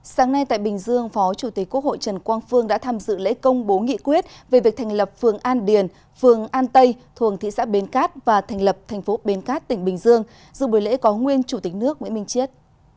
sáng nay tại bình dương phó chủ tịch quốc hội trần quang phương đã tham dự lễ công bố nghị quyết về việc thành lập phường an điền phường an tây thuồng thị xã bến cát và thành lập thành phố bến cát tỉnh bình dương dù buổi lễ có nguyên chủ tịch nước nguyễn minh chiết